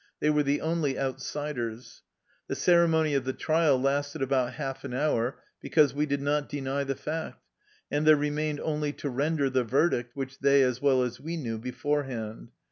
They were the only outsiders. The ceremony of the trial lasted about half an hour, because we did not deny the fact, and there remained only to render the verdict, which they as well as we knew beforehand.